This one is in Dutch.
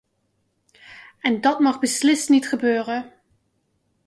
En dat mag beslist niet gebeuren.